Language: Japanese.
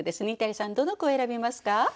にたりさんどの句を選びますか？